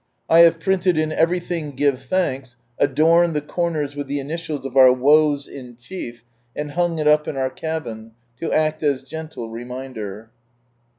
I have printed '^ In everything; give thanks," adorned the corners with the initials of our woes in chief, and hung it up in our cabin, to act as gentle reminder.